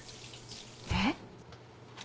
えっ？